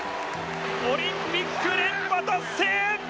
オリンピック連覇達成！